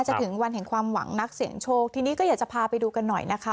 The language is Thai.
ถึงวันแห่งความหวังนักเสียงโชคทีนี้ก็อยากจะพาไปดูกันหน่อยนะคะ